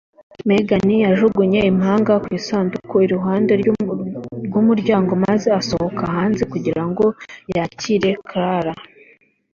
Megan yajugunye impanga ku isanduku iruhande rw'umuryango maze asohoka hanze kugira ngo yakire Clara.